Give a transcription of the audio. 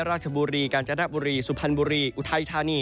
ราชบุรีกาญจนบุรีสุพรรณบุรีอุทัยธานี